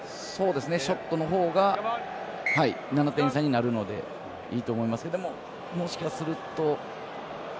ショットのほうが７点差になるのでいいと思いますけどでも、もしかすると。